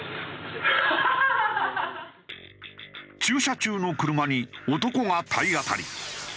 駐車中の車に男が体当たり。